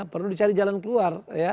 perlu dicari jalan keluar